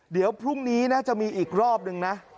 เดี๋ยวพรุ่งนี้นะจะมีอีกรอบนึงนะ